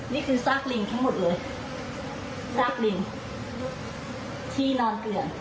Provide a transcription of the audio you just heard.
นี่คือซากลิงทั้งหมดเลยซากลิงที่นอนเกลื่อน